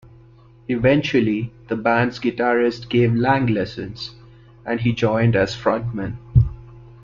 Eventually, the band's guitarist gave Lang lessons, and he joined as frontman.